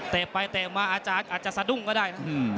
เตะไปเตะมาอาจจะสะดุ้งก็ได้